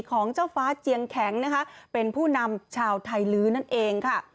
ของเจ้าฟ้าเจียงแข็งนะคะเป็นผู้นำชาวไทยลื้อนั่นเองค่ะ